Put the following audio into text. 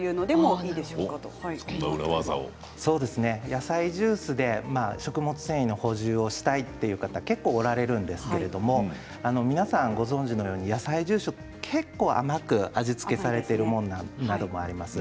野菜ジュースで食物繊維の補充をしたいという方結構おられるんですけれど皆さん、ご存じのように野菜ジュースは甘く味付けされているものがあります。